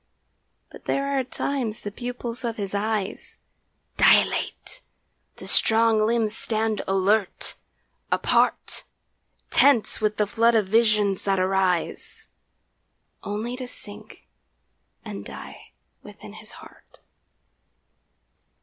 But there are times the pupils of his eyes Dilate, the strong limbs stand alert, apart, Tense with the flood of visions that arise Only to sink and die within his heart.